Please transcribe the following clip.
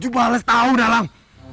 tujuh balet tahun alang